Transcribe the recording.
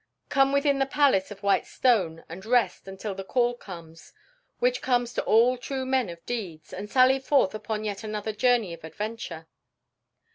Come within the palace of white stone and rest until the call comes, which comes to all true men of deeds, to sally forth upon yet another journey of adventure."